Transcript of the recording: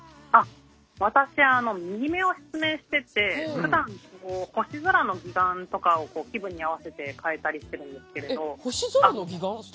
私、右目を失明しててふだん星空の義眼を気分に合わせて変えたりしているんですけど。